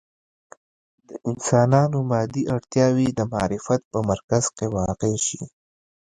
د انسانانو مادي اړتیاوې د معرفت په مرکز کې واقع شي.